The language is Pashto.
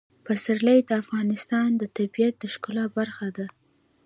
پسرلی د افغانستان د طبیعت د ښکلا برخه ده.